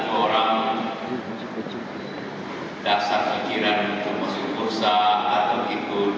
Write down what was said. karena terkurang dasar pikiran untuk masuk kursa atau ikut